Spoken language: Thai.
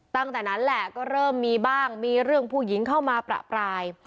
ตั้งแต่นั้นแหละก็เริ่มมีบ้างมีเรื่องผู้หญิงเข้ามาประปราย